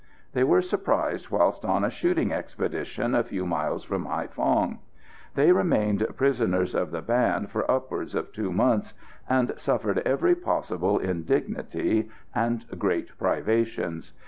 They were surprised whilst on a shooting expedition a few miles from Haïphong. They remained prisoners of the band for upwards of two months, and suffered every possible indignity and great privations.